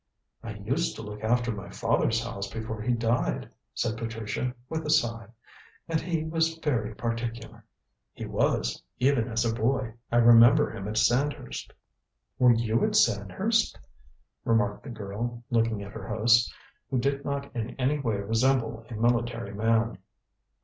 "I used to look after my father's house before he died," said Patricia with a sigh, "and he was very particular." "He was, even as a boy. I remember him at Sandhurst." "Were you at Sandhurst?" remarked the girl, looking at her host, who did not in any way resemble a military man.